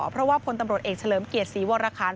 เพราะว่าพลตำรวจเอกเฉลิมเกียรติศรีวรคาร